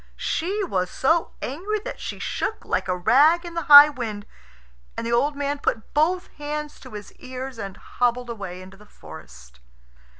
She was so angry that she shook like a rag in the high wind, and the old man put both hands to his ears and hobbled away into the forest.